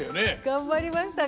頑張りましたか？